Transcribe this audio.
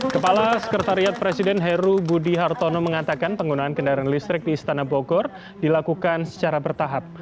kepala sekretariat presiden heru budi hartono mengatakan penggunaan kendaraan listrik di istana bogor dilakukan secara bertahap